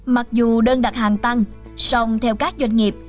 mặc dù đơn đặt hàng tăng song theo các doanh nghiệp